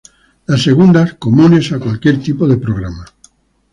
Las segundas, comunes a cualquier tipo de programa.